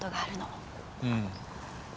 うん。